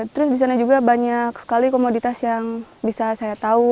terus di sana juga banyak sekali komoditas yang bisa saya tahu